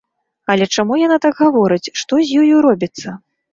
Але чаму яна так гаворыць, што з ёю робіцца?